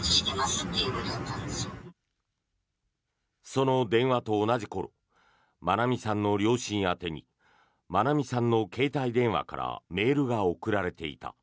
その電話と同じ頃愛美さんの両親宛てに愛美さんの携帯電話からメールが送られていた。